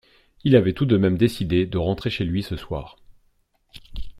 Il avait tout de même décidé de rentrer chez lui ce soir.